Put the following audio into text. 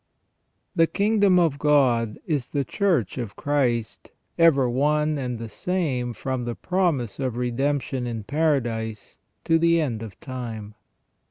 The kingdom of God is the Church of Christ, ever one and the same from the promise of redemption in Paradise to the end of time.